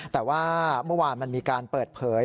แต่ว่าเมื่อวานมันมีการเปิดเผย